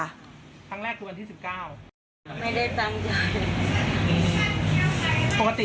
ครั้งแรกตัวอันที่สิบเก้าไม่ได้ตั้งใจปกติเราทำอะไร